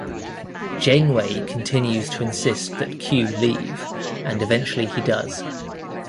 Janeway continues to insist that Q leave, and eventually he does.